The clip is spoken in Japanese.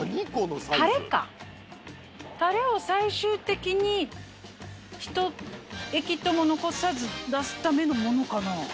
タレかタレを最終的にひと液とも残さず出すためのものかな？